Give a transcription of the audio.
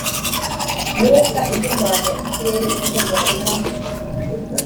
myuka ihumanya ikirere ikomoka